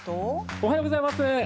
おはようございます。